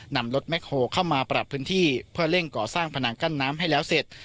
นำรถแคลเข้ามาปรับพื้นที่เพื่อเร่งก่อสร้างพนังกั้นน้ำให้แล้วเสร็จ